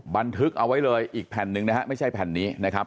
บันทึกเอาไว้เลยอีกแผ่นหนึ่งนะฮะไม่ใช่แผ่นนี้นะครับ